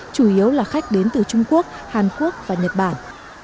chủ yếu là khách đến từ trung quốc hàn quốc và nhật bản